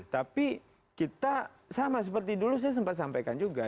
tapi kita sama seperti dulu saya sempat sampaikan juga